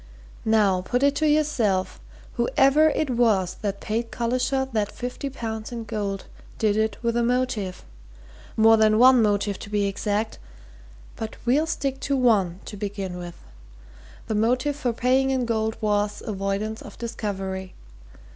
Now, put it to yourself whoever it was that paid Collishaw that fifty pounds in gold did it with a motive. More than one motive, to be exact but we'll stick to one, to begin with. The motive for paying in gold was avoidance of discovery.